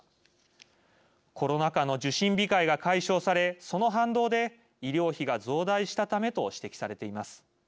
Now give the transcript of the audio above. コロナ禍の受診控えが解消されその反動で医療費が増大したためと指摘されています。